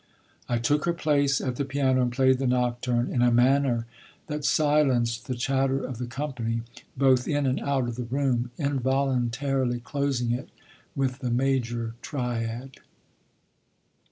I took her place at the piano and played the Nocturne in a manner that silenced the chatter of the company both in and out of the room, involuntarily closing it with the major triad.